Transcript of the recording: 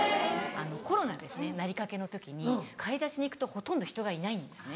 コロナなりかけの時に買い出しに行くとほとんど人がいないんですね。